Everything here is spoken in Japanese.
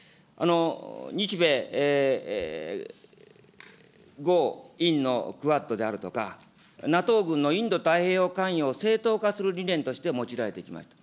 日米豪印のクアッドであるとか、ＮＡＴＯ軍のインド太平洋かんようを正当化する理念として用いられてきました。